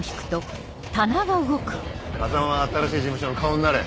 風真は新しい事務所の顔になれ。